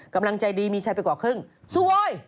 กำลังใจดีมีชัยไปกว่าครึ่งสวย